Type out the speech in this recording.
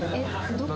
どこ？